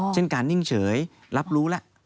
เช่นการนิ่งเฉยรับรู้แล้ว